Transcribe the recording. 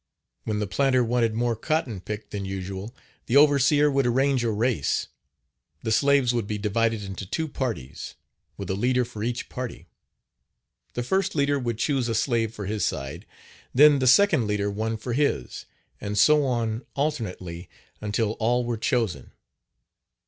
When the planter wanted more cotton picked than usual, the overseer would arrange a race. The slaves would be divided into two parties, with a leader for each party. The first leader would choose a slave for his side, then the second leader one for his, and so on alternately until all were chosen.